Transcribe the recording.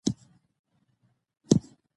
آب وهوا د افغانانو د ګټورتیا یوه برخه ده.